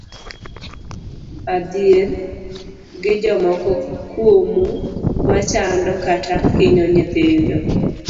Adhier gi jomoko kuomu machando kata hinyo nyithindo.